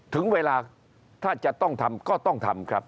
ถึงเวลาถ้าจะต้องทำก็ต้องทำครับ